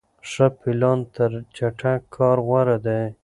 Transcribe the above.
ښه پلان تر چټک کار غوره دی.